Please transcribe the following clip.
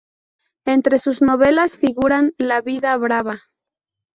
Entre sus novelas figuran "La vida brava.